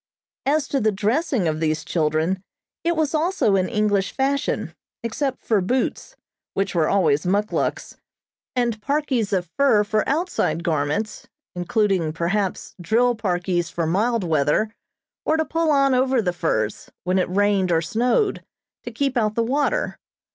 As to the dressing of these children, it was also in English fashion, except for boots, which were always muckluks, and parkies of fur for outside garments, including, perhaps, drill parkies for mild weather, or to pull on over the furs, when it rained or snowed, to keep out the water.